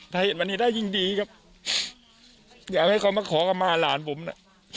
ถ้าเห็นวันนี้ได้ยิ่งดีครับอยากให้เขามาขอคำมาหลานผมน่ะ